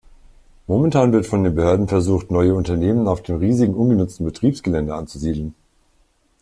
Momentan wird von den Behörden versucht, neue Unternehmen auf dem riesigen ungenutzten Betriebsgelände anzusiedeln.